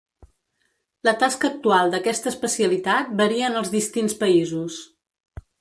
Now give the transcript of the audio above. La tasca actual d'aquesta especialitat varia en els distints països.